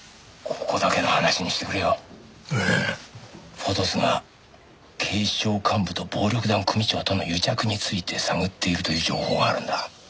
『フォトス』が警視庁幹部と暴力団組長との癒着について探っているという情報があるんだ。